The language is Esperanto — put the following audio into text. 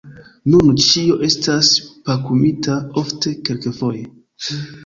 Nun ĉio estas pakumita, ofte kelkfoje!